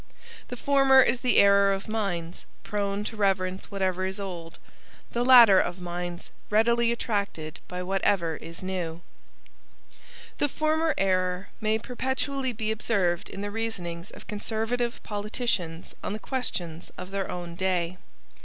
The former is the error of minds prone to reverence whatever is old, the latter of minds readily attracted by whatever is new. The former error may perpetually be observed in the reasonings of conservative politicians on the questions of their own day.